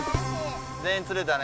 全員釣れたね。